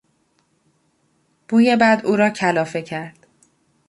بوی بد او را کلافه کرد.